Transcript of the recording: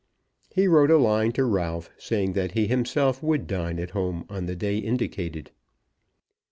He wrote a line to Ralph, saying that he himself would dine at home on the day indicated.